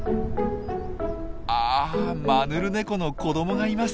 あマヌルネコの子どもがいます。